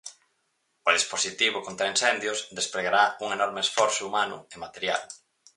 O dispositivo contraincendios despregará un enorme esforzo humano e material.